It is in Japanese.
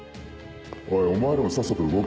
おいお前らもさっさと動け。